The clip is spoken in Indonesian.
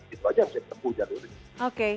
itu aja harus dipenuhi jalurnya